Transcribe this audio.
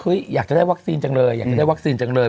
อยากจะได้วัคซีนจังเลยอยากจะได้วัคซีนจังเลย